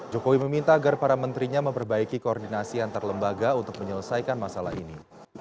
jokowi meminta agar para menterinya memperbaiki koordinasi antar lembaga untuk menyelesaikan masalah ini